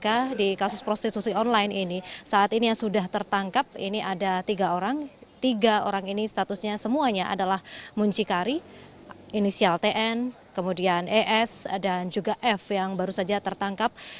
ahli bahasa ahli dari kementerian